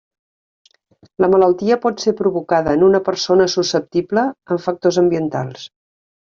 La malaltia pot ser provocada en una persona susceptible amb factors ambientals.